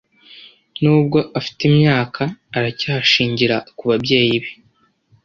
Nubwo afite imyaka , aracyashingira kubabyeyi be.